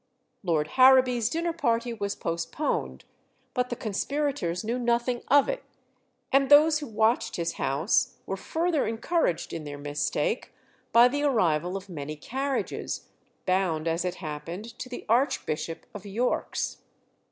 Lord Harrowby's dinner party was postponed, but the conspirators knew nothing of it, and those who watched his house were further encouraged in their mistake by the arrival of many carriages, bound, as it happened, to the Archbishop of York's.